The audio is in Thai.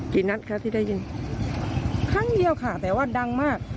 นัดค่ะที่ได้ยินครั้งเดียวค่ะแต่ว่าดังมาก